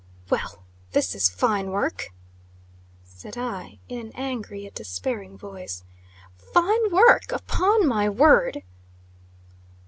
"Well! this is fine work!" said I, in an angry, yet despairing voice. "Fine work, upon my word!"